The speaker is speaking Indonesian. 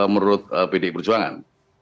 menurut pd perjuangan